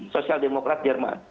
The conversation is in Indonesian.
sosial demokrat jerman